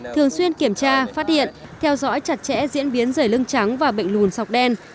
thường xuyên kiểm tra phát hiện theo dõi chặt chẽ diễn biến dày lưng trắng và bệnh lùn sọc đen